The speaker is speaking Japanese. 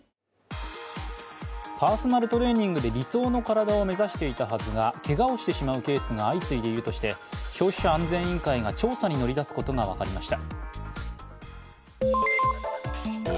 パーソナルトレーニングで理想の体を目指していたはずがけがをしてしまうケースが相次いでいるとして消費者安全委員会が調査に乗り出すことが分かりました。